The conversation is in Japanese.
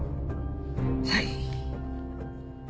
はい。